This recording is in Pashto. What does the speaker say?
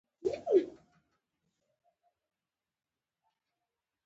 احمد د علي مات شوی لاس ځای ته ور ووست.